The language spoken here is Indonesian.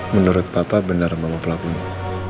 menurut papa benar mama pelakunya